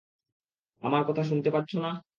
আমার কথা শুনতে পাচ্ছ না?